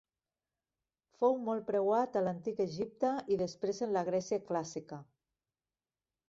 Fou molt preuat a l'antic Egipte i després en la Grècia clàssica.